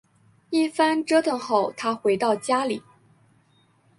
一番折腾后她回到家里